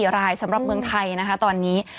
๔รายสำหรับเมืองไทยนะคะตอนนี้